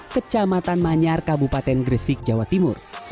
kecamatan manyar kabupaten gresik jawa timur